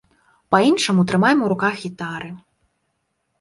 Па-іншаму трымаем у руках гітары.